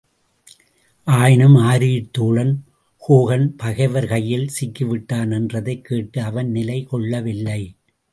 ஆயினும் ஆருயிர்த்தோழன் ஹோகன் பகைவர் கையில் சிக்கிவிட்டான் என்றதைக் கேட்டு அவன் நிலை கொள்ளவில்லை.